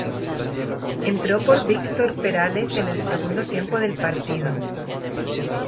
Entró por Víctor Perales en el segundo tiempo del partido.